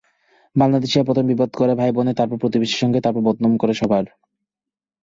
বাংলাদেশিরা প্রথম বিবাদ করে ভাই-বোনে, তারপর প্রতিবেশীর সঙ্গে, তারপর বদনাম করে সবার।